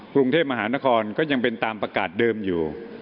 กรุงเทพมหานครก็ยังเป็นตามประกาศเดิมอยู่